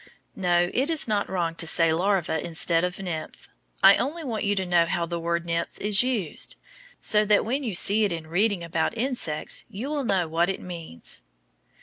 No, it is not wrong to say larva instead of nymph. I only want you to know how the word nymph is used, so that when you see it in reading about insects you will know what it means.